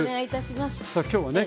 さあ今日はね